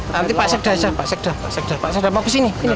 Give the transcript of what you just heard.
nanti pak sekda pak sekda pak sekda mau ke sini